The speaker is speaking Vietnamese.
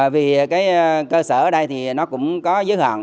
vì cái cơ sở ở đây thì nó cũng có giới hạn